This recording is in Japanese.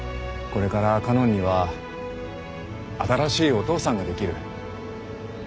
これから花音には新しいお父さんができる。